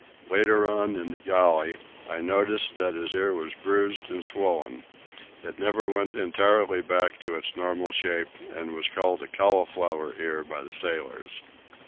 Later on, in the galley, I noticed that his ear was bruised and swollen. It never went entirely back to its normal shape, and was called a "cauliflower ear" by the sailors.